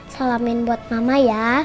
salamin buat mama ya